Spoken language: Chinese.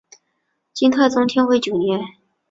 金太宗天会九年。